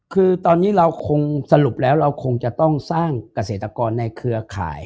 คือตอนนี้เราคงสรุปแล้วเราคงจะต้องสร้างเกษตรกรในเครือข่าย